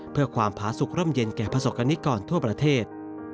เพื่อความผาสุขร่มเย็นแก่ประสบกรณิกรทั่วประเทศ